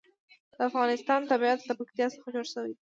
د افغانستان طبیعت له پکتیکا څخه جوړ شوی دی.